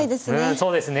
そうですね。